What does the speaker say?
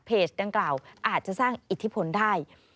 ดังกล่าวอาจจะสร้างอิทธิพลได้